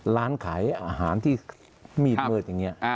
ร้านขายอาหารที่มีดมืดอย่างนี้